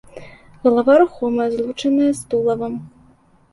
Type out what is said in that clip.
Галава рухомая, злучаная з тулавам.